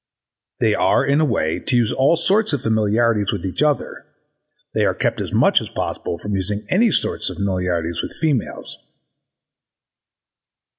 They are in a way to use all sorts of familiarities with each other: they are I kept as much as possible from using any sorts of familiarities with females.